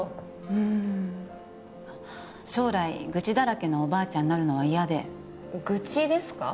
うん将来愚痴だらけのおばあちゃんになるのは嫌で愚痴ですか？